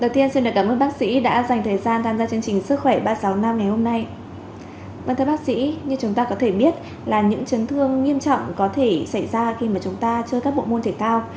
vâng thưa bác sĩ như chúng ta có thể biết là những chấn thương nghiêm trọng có thể xảy ra khi mà chúng ta chơi các bộ môn thể thao